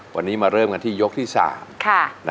วันนี้มาเริ่มกันที่ยกที่๓